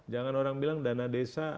jangan orang bilang dana desa